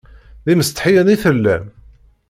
D imsetḥiyen i tellam?